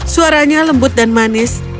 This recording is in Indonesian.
suaranya lembut dan manis